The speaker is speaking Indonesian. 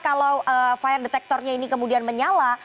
kalau fire detectornya ini kemudian menyala